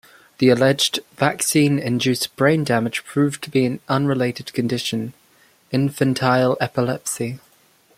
The alleged vaccine-induced brain damage proved to be an unrelated condition, infantile epilepsy.